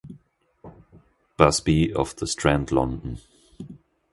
Busby of the Strand London.